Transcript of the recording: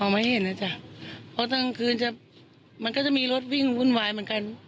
ไม่เห็นนะจ๊ะเพราะกลางคืนจะมันก็จะมีรถวิ่งวุ่นวายเหมือนกัน